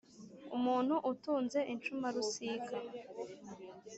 umuntu utunze incumarusika !